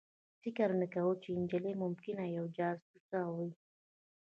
فکر مې وکړ چې دا نجلۍ ممکنه یوه جاسوسه وي